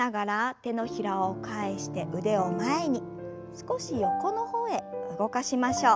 少し横の方へ動かしましょう。